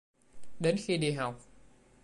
Đến khi đi học